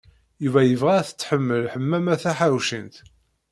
Yuba yebɣa ad t-tḥemmel Ḥemmama Taḥawcint.